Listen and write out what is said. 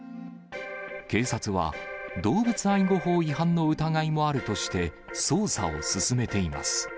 警察は、動物愛護法違反の疑いもあるとして、捜査を進めています。